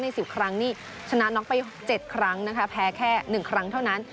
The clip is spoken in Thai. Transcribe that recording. ๑๐ครั้งนี่ชนะน็อกไป๗ครั้งนะคะแพ้แค่๑ครั้งเท่านั้น